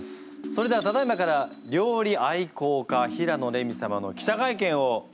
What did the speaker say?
それではただいまから料理愛好家平野レミ様の記者会見を行います。